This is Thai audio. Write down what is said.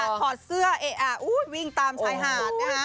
เอ้าถอดเสื้อเอ้าวิ่งตามชายหาด